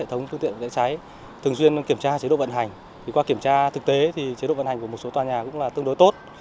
thường xuyên kiểm tra chế độ vận hành qua kiểm tra thực tế thì chế độ vận hành của một số tòa nhà cũng tương đối tốt